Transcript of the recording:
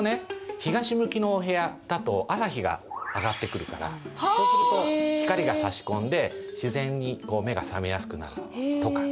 東向きのお部屋だと朝日が上がってくるからそうすると光がさし込んで自然にこう目が覚めやすくなるとかね。